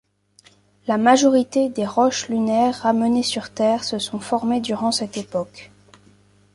La majorité des roches lunaires ramenées sur Terre se sont formées durant cette époque.